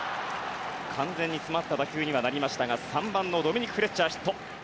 完全に詰まった打球にはなりましたが３番のドミニク・フレッチャーヒット。